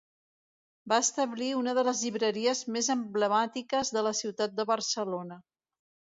Va establir una de les llibreries més emblemàtiques de la ciutat de Barcelona.